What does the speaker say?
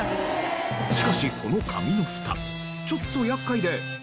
しかしこの紙の蓋ちょっと厄介で。